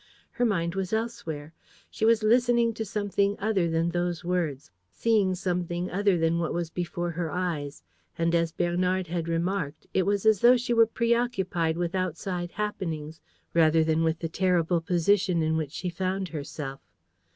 Her mind was elsewhere. She was listening to something other than those words, seeing something other than what was before her eyes; and, as Bernard had remarked, it was as though she were preoccupied with outside happenings rather than with the terrible position in which she found herself.